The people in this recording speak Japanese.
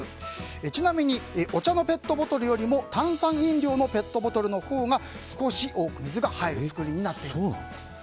ちなみにお茶のペットボトルよりも炭酸飲料のペットボトルのほうが少し多く水が入る作りになっているそうです。